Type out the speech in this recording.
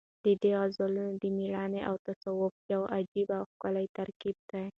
د ده غزلونه د مېړانې او تصوف یو عجیبه او ښکلی ترکیب دی.